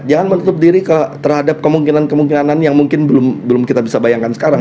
jangan menutup diri terhadap kemungkinan kemungkinan yang mungkin belum kita bisa bayangkan sekarang